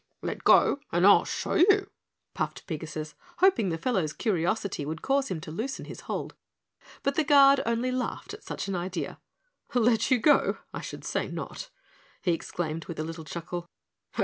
"Let go and I'll show you," puffed Pigasus, hoping the fellow's curiosity would cause him to loosen his hold. But the Guard only laughed at such an idea. "Let you go? I should say not," he exclaimed with a little chuckle.